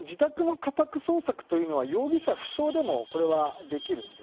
自宅の家宅捜索というのは容疑者不詳でもできるんです。